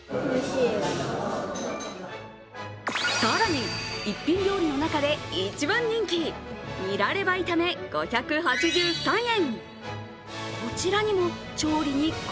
更に一品料理の中で一番人気、ニラレバ炒め５８３円。